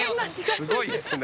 すごいですね。